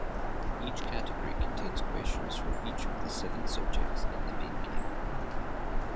Each category contains questions from each of the seven subjects in the main game.